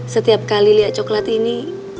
setiap kali lihat coklat ini